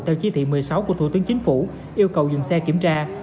theo chỉ thị một mươi sáu của thủ tướng chính phủ yêu cầu dừng xe kiểm tra